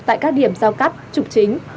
tại các điểm giao cắt trục chính